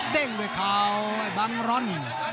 เด้งด้วยข่าวบังร่อน